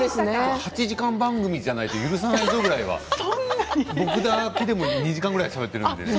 ８時間番組じゃないと許さないというくらいの僕だけでも２時間ぐらいしゃべったよね。